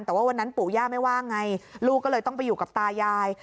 แต่ว่าวันนั้นปู่ย่าไม่ว่าไงลูกก็เลยต้องไปอยู่กับตายาย